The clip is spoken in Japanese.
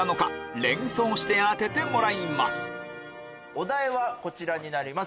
お題はこちらになります。